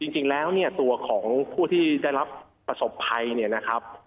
จริงแล้วเนี่ยตัวของผู้ที่ได้รับประสบภัยเนี่ยนะครับ